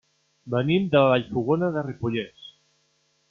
Venim de Vallfogona de Ripollès.